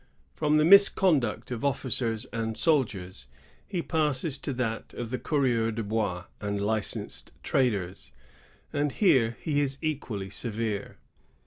i From the misconduct of officers and soldiers, the father passes to that of the coureurs de hois and licensed traders ; and here he is equally severe.